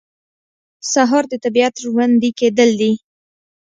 سهار د طبیعت ژوندي کېدل دي.